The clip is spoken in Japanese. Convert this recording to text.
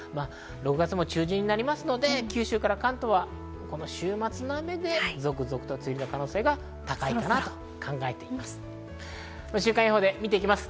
６月も中旬になりますので、九州から関東はこの週末の雨で続々と梅雨入りの可能性が高いかなと考えています。